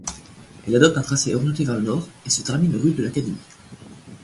Elle adopte un tracé orienté vers le nord et se termine rue de l'Académie.